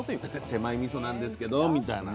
「手前みそなんですけど」みたいな。